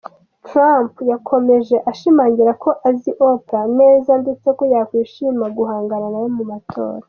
Trump yakomeje ashimangira ko azi Oprah neza ndetse ko yakwishimira guhangana nawe mu matora.